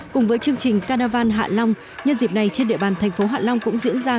cùng với chương trình carnival hạ long nhân dịp này trên địa bàn thành phố hạ long cũng diễn ra